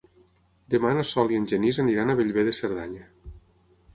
Demà na Sol i en Genís aniran a Bellver de Cerdanya.